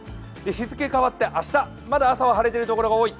日付変わって明日、また晴れているところが多い。